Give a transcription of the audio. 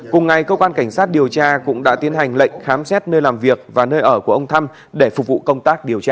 cùng ngày cơ quan cảnh sát điều tra cũng đã tiến hành lệnh khám xét nơi làm việc và nơi ở của ông thăm để phục vụ công tác điều tra